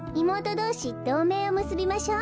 どうめいをむすびましょう。